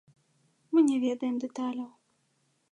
Мы не ведаем дэталяў.